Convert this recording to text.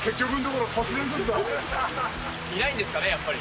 いないんですかね、やっぱり。